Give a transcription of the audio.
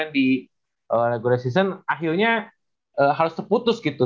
yang di regular season akhirnya harus terputus gitu